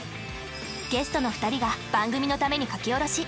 ゲストの２人が番組のために書き下ろし。